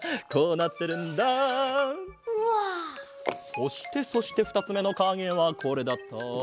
そしてそしてふたつめのかげはこれだった。